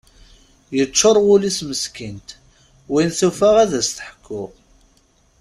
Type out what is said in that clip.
Yeččur wul-is meskint, win tufa ad as-teḥku.